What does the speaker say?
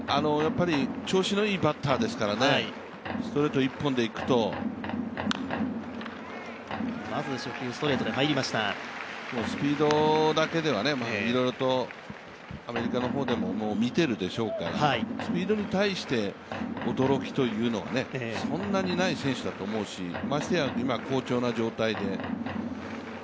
調子のいいバッターですからね、ストレート１本でいくと、スピードだけではいろいろとアメリカの方でも見てるでしょうからスピードに対して驚きというのはそんなにない選手だと思うしましてや今、好調な状態で。